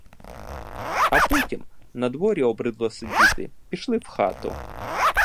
А потім — на дворі обридло сидіти, пішли в хату.